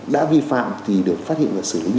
đã vi phạm thì được phát hiện vào xử lý nghiên minh